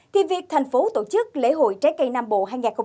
thì việc thành phố tổ chức lễ hội trái cây nam bộ hai nghìn một mươi chín